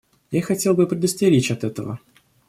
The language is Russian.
Я хотел бы предостеречь от этого.